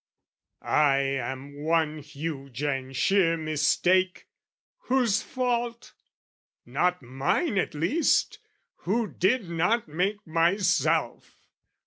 "I am one huge and sheer mistake, whose fault? "Not mine at least, who did not make myself!"